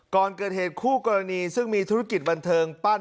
ก่อนเกิดเหตุคู่กรณีซึ่งมีธุรกิจบันเทิงปั้น